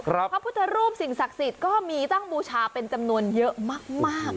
พระพุทธรูปสิ่งศักดิ์สิทธิ์ก็มีตั้งบูชาเป็นจำนวนเยอะมาก